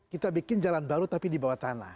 kita bikin jalan baru tapi di bawah tanah